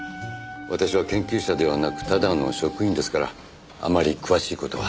私は研究者ではなくただの職員ですからあまり詳しい事は。